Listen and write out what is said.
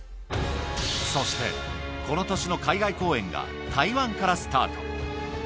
そして、この年の海外公演が台湾からスタート。